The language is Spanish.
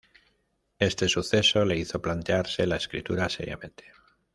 Este suceso le hizo plantearse la escritura seriamente.